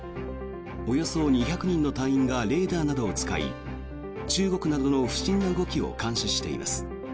およそ２００人の隊員がレーダーなどを使い中国などの不審な動きを監視しています。